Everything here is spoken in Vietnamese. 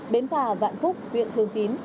bến phà vạn phúc huyện thường tín